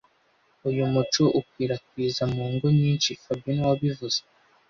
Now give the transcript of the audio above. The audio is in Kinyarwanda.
Uyu muco ukurikizwa mu ngo nyinshi fabien niwe wabivuze